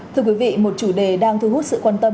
thưa quý vị một chủ đề đang thu hút sự quan tâm